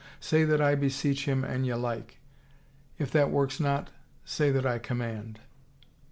Say that I beseech him an ye like. If that works not, say that I command."